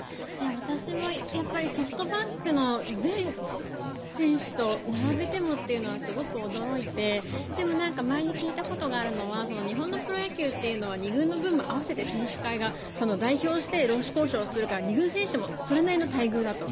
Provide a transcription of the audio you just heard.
私もソフトバンクの全選手と並べてもというのはすごく驚いてでも、前に聞いたことがあるのは日本のプロ野球っていうのは２軍の分も合わせて選手会が代表して労使交渉をするから２軍選手もそれなりの待遇だと。